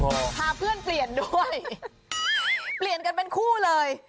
พาเพื่อนเปลี่ยนด้วยเปลี่ยนกันเป็นคู่เลย